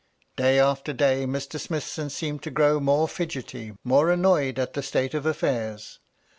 Day after day Mr. Smithson seemed to grow more fidgety, more annoyed at the state of affairs.